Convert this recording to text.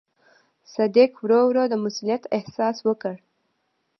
صدک ورو ورو د مسووليت احساس وکړ.